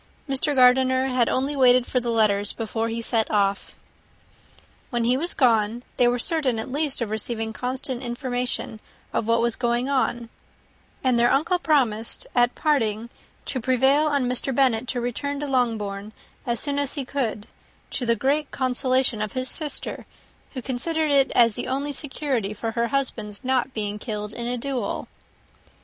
Mr. Gardiner had waited only for the letters before he set off. When he was gone, they were certain at least of receiving constant information of what was going on; and their uncle promised, at parting, to prevail on Mr. Bennet to return to Longbourn as soon as he could, to the great consolation of his sister, who considered it as the only security for her husband's not being killed in a duel.